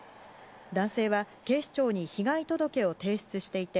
男性は警視庁に被害届を提出していて